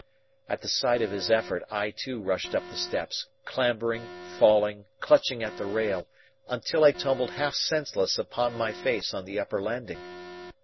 At the sight of his effort I too rushed up the steps, clambering, falling, clutching at the rail, until I tumbled half senseless upon by face on the upper landing.